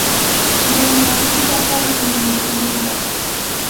llamaykita qarquy mikunanpaq.